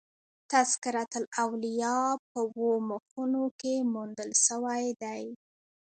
تذکرة الاولیاء" په اوو مخونو کښي موندل سوى دئ.